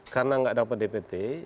karena tidak dapat dpt